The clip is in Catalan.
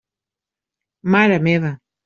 Mare meva!